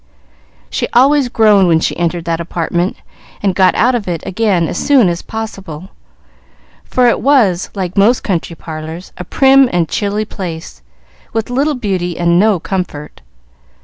She always groaned when she entered that apartment, and got out of it again as soon as possible, for it was, like most country parlors, a prim and chilly place, with little beauty and no comfort.